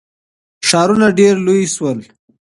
ښارونه ډیر لوی سول.